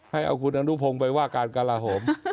ให้เอาคุณอนุพงศ์ไปว่าการกระลาโหม